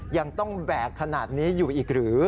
ยังต้องแบกขนาดนี้อยู่อีกหรือ